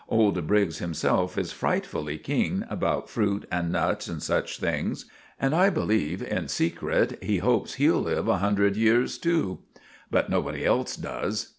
Old Briggs himself is frightfully keen about fruit and nuts and such things, and I believe, in secret, he hopes he'll live a hundred years too. But nobody else does.